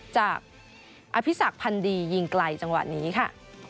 จากอภิษักพันธ์ดียิงไกลจังหวะนี้ค่ะ